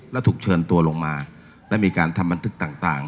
แล้วถูกเชิญตัวลงมาและมีการทำบันทึกต่าง